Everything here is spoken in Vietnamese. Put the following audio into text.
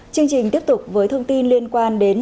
chương trình tiếp tục với thông tin liên quan đến